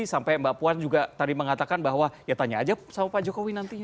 sampai mbak puan juga tadi mengatakan bahwa ya tanya aja sama pak jokowi nantinya